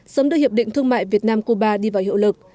sớm đưa hiệp định thương mại việt nam cuba đi vào hiệu lực